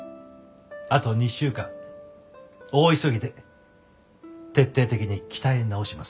あと２週間大急ぎで徹底的に鍛え直しますから。